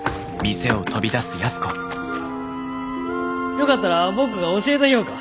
よかったら僕が教えたぎょうか。